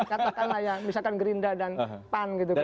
katakanlah ya misalkan gerinda dan pan gitu kan